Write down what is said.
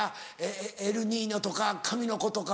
「エルニーニョ」とか「神の子」とか。